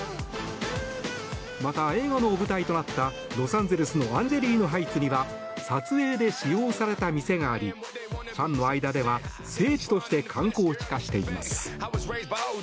また、映画の舞台となったロサンゼルスのアンジェリーノハイツには撮影で使用された店がありファンの間では聖地として観光地化しています。